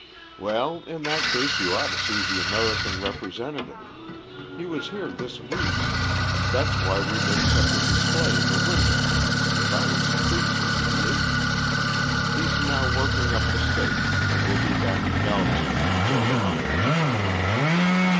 "Well, in that case you ought to see the American representative. He was here this week ... that's why we make such a display in the window, it always pleases the agent ... he's now working up the State and will be back in Galveston before the month is out."